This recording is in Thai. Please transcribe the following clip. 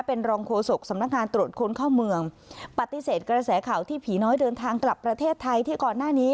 เป็นรองโฆษกสำนักงานตรวจคนเข้าเมืองปฏิเสธกระแสข่าวที่ผีน้อยเดินทางกลับประเทศไทยที่ก่อนหน้านี้